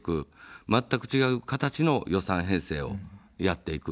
全く違う形の予算編成をやっていく。